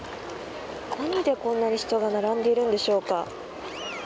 何でこんなに人が並んでいるんでしょうか。